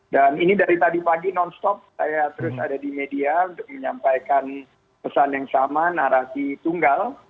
dan ini dari tadi pagi nonstop saya terus ada di media untuk menyampaikan pesan yang sama narasi tunggal